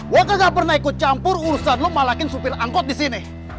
gue kegak pernah ikut campur urusan lu malakin supir angkot disini